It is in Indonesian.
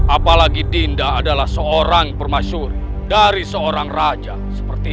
apalagi dinda adalah seorang permasyuri dari seorang raja seperti